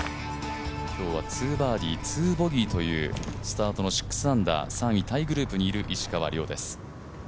今日は２バーディー２ボギーというスタートの６アンダー３位タイグループにいる石川遼です